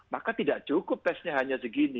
maka tidak cukup tesnya hanya segini